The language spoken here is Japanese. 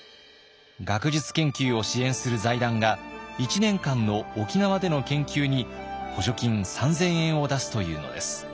学術研究を支援する財団が１年間の沖縄での研究に補助金３，０００円を出すというのです。